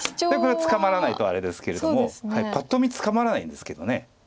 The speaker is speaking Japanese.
これは捕まらないとあれですけれどもパッと見捕まらないんですけど。